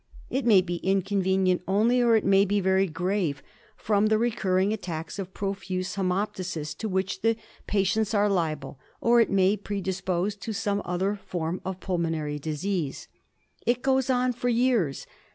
It may be inconvenient only ; or it may be very grave from the recurring attacks of profuse hiemoptysis to which the patients are liable ; or it may predispose to some other form of pulmonary disease. It goes on for years.